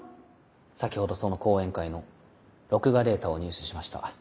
先ほどその講演会の録画データを入手しました。